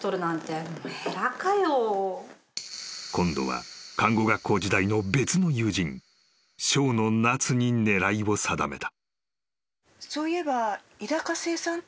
［今度は看護学校時代の別の友人庄野奈津に狙いを定めた］